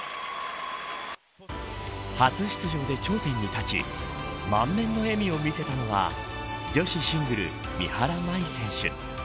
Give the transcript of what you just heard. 初出場で頂点に立ち満面の笑みを見せたのは女子シングル、三原舞依選手。